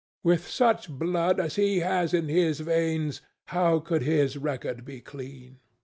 With such blood as he has in his veins, how could his record be clean?